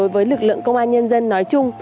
với lực lượng công an nhân dân nói chung